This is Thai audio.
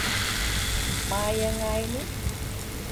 มายังไงหนิ